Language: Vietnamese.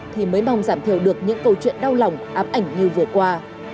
thì mới mong giảm thiểu được những câu chuyện đau lòng ám ảnh như vừa qua